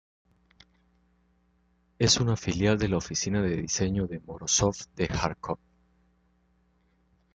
Es una filial de la Oficina de Diseño Morozov de Járkov.